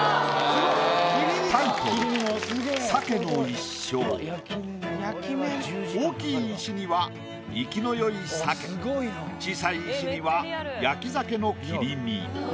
タイトル大きい石には生きのよい鮭小さい石には焼き鮭の切り身。